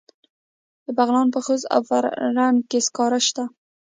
د بغلان په خوست او فرنګ کې سکاره شته.